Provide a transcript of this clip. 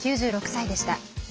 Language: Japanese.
９６歳でした。